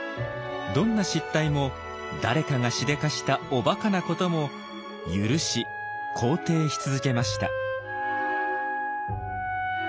どんな失態も誰かがしでかしたおバカなことも許し肯定し続けました。